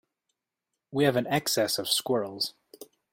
We have an excess of squirrels.